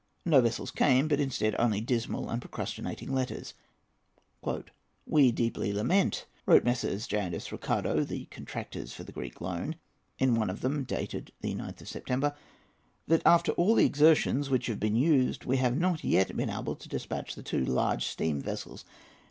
No vessels came, but instead only dismal and procrastinating letters. "We deeply lament," wrote Messrs. J. and S. Ricardo, the contractors for the Greek loan, in one of them, dated the 9th of September, "that, after all the exertions which have been used, we have not yet been able to despatch the two large steam vessels.